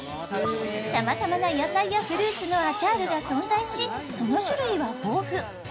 さまざまな野菜やフルーツのアチャールが存在しその種類は豊富。